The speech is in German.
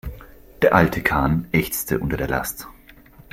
Der alte Kahn ächzte unter der Last.